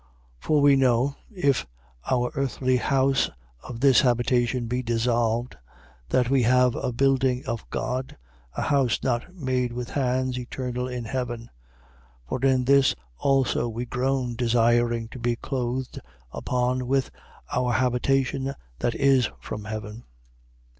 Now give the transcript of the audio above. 5:1. For we know, if our earthly house of this habitation be dissolved, that we have a building of God, a house not made with hands, eternal in heaven. 5:2. For in this also we groan, desiring to be clothed upon with our habitation that is from heaven.